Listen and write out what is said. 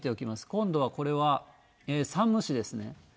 今度はこれは山武市ですね。